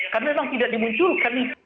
karena memang tidak dimunculkan itu